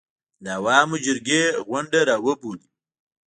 د عوامو جرګې غونډه راوبولي.